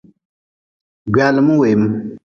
Gwaalim weem.